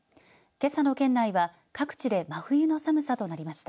けさの県内は各地で真冬の寒さとなりました。